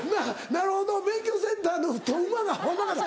なるほど免許センターと馬が合わなかった。